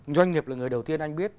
doanh nghiệp là người đầu tiên anh biết